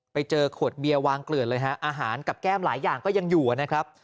ไปเจอขวดเบียร์วางเกลือนเลยฮะอาหารกับแก้มหลายอย่างก็ยังอยู่นะครับ